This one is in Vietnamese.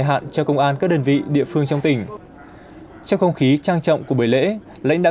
hạn cho công an các đơn vị địa phương trong tỉnh trong không khí trang trọng của buổi lễ lãnh đạo